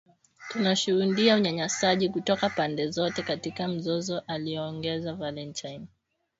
“Tunashuhudia unyanyasaji kutoka pande zote katika mzozo” aliongeza Valentine.